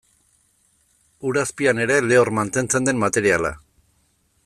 Ur azpian ere lehor mantentzen den materiala.